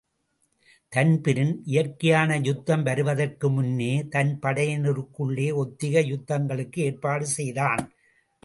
தன்பிரீன் இயற்கையான யுத்தம் வருவதற்கு முன்னே தன்படையினருக்குள்ளே ஒத்திகை யுத்தங்களுக்கு ஏற்பாடு செய்தான்.